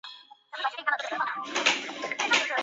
乾隆二十四年十一月调署凤山县下淡水巡检。